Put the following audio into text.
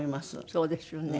そうですよね。